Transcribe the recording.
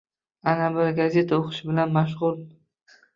Ana, biri gazeta o’qish bilan mashg’ul.